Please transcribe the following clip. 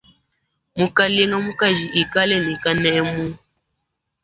Mukalenge mukaji ikala ne kanemu.